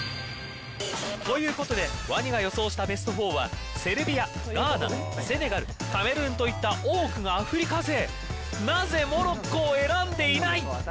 ということでワニが予想したベスト４はセルビア、ガーナ、セネガルカメルーンといった多くがアフリカ勢。